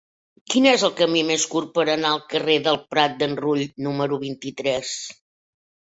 Quin és el camí més curt per anar al carrer del Prat d'en Rull número vint-i-tres?